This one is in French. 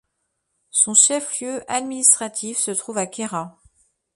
Son chef-lieu administratif se trouve à Kehra.